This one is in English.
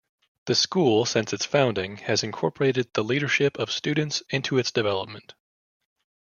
The school since its founding, has incorporated the leadership of students into its development.